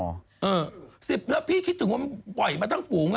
๑๐แล้วพี่คิดถึงว่ามันปล่อยมาทั้งฝูง